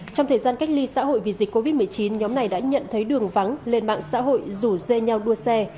trong thời gian cách ly xã hội vì dịch covid một mươi chín nhóm này đã nhận thấy đường vắng lên mạng xã hội rủ dê nhau đua xe